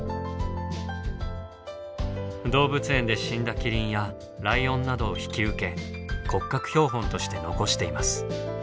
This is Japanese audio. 動物園で死んだキリンやライオンなどを引き受け骨格標本として残しています。